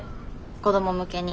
子ども向けに。